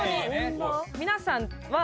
皆さんは。